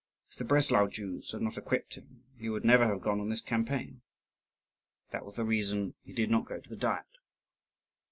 If the Breslau Jews had not equipped him, he would never have gone on this campaign. That was the reason he did not go to the Diet."